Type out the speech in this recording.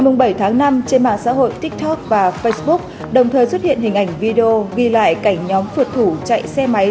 ngày bảy tháng năm trên mạng xã hội tiktok và facebook đồng thời xuất hiện hình ảnh video ghi lại cảnh nhóm phượt thủ chạy xe máy